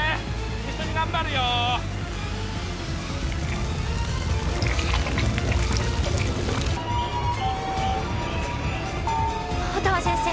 一緒に頑張るよ音羽先生